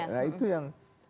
nah itu yang